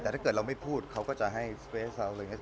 แต่ถ้าเราไม่พูดเค้าก็จะเค้าก็จะให้สเฟสครัว